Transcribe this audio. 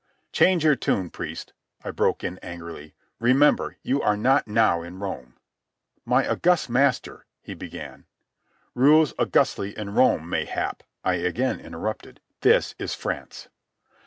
"Change your tune, priest," I broke in angrily. "Remember, you are not now in Rome." "My august master—" he began. "Rules augustly in Rome, mayhap," I again interrupted. "This is France."